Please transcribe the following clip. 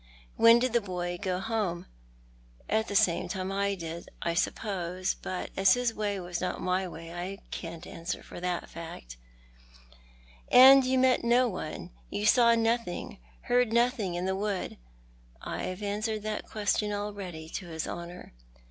When did the boy go home ?"" At the same time I did, I suppose ; but as his way was not my way I can't answer for the fact." " And you met no one — you saw nothing, heard nothing in the wood ?"" I have answered that question already to his Honour."